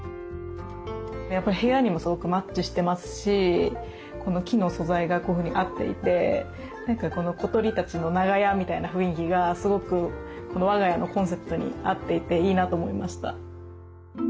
やっぱり部屋にもすごくマッチしてますしこの木の素材がこういうふうに合っていて何かこの小鳥たちの長屋みたいな雰囲気がすごく我が家のコンセプトに合っていていいなと思いました。